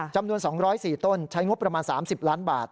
จำนวน๒๐๔ต้นใช้งบประมาณ๓๐ล้านบาท